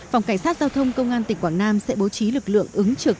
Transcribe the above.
phòng cảnh sát giao thông công an tỉnh quảng nam sẽ bố trí lực lượng ứng trực